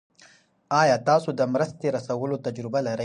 آیا تاسو د مرستې رسولو تجربه لرئ؟